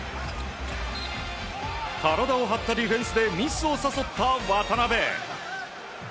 体を張ったディフェンスでミスを誘った渡邊。